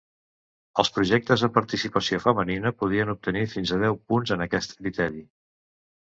Els projectes amb participació femenina poden obtenir fins a deu punts en aquest criteri.